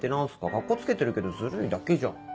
カッコつけてるけどズルいだけじゃん。